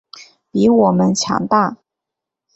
比我们强大